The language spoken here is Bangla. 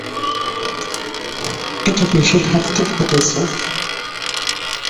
এটা বেসে থাকতে ঘটেছে।